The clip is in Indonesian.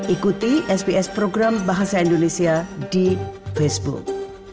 ikuti sps program bahasa indonesia di facebook